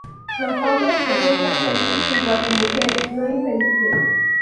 Los hombres deben ser feliz junto a su mujer, no infelices.